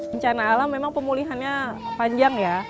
rencana alam memang pemulihannya panjang